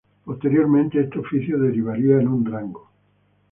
Posteriormente, este oficio derivaría en un rango.